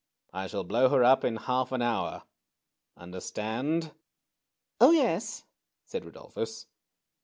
I shall blow her up in half an hour. Understand?" " Oh, yes," said Rudolphus.